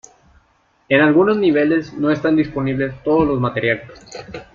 En algunos niveles no están disponibles todos los materiales.